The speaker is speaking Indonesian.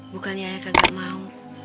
bukannya ayah kagak mau